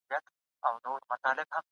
الکول د پانکراس ناروغي رامنځ ته کوي.